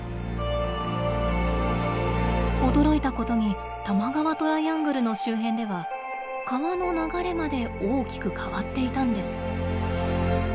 驚いたことに多摩川トライアングルの周辺では川の流れまで大きく変わっていたんです。